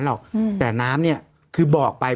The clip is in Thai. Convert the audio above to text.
พี่ปั๊ดเดี๋ยวมาที่ร้องให้